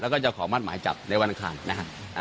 แล้วก็จะขอมาตรหมายจับในวันอันทางนะครับ